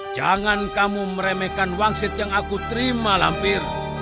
jangan kamu meremehkan wangsit yang aku terima lampir